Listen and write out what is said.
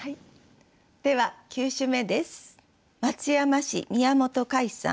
では９首目です。